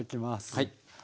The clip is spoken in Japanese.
はい。